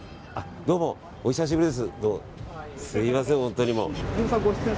どうも、お久しぶりです。